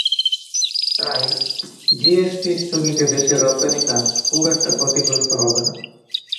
তাই জিএসপি স্থগিতে দেশের রপ্তানি খাত খুব একটা ক্ষতিগ্রস্ত হবে না।